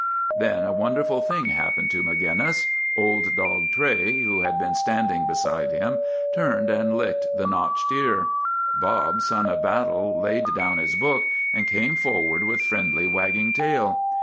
V Then a wonderful thing happened to Maginnis. Old Dog Tray, who had been standing beside him, turned and licked the notched ear. Bob, Son of Battle, laid down his book, and came forward with friendly, wagging tail.